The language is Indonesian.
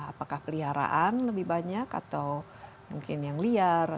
apakah peliharaan lebih banyak atau mungkin yang lebih banyak